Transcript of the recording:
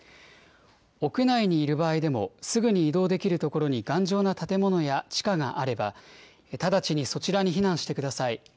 屋内にいる場合でも、すぐに移動できる所に頑丈な建物や地下があれば、直ちにそちらに避難してください。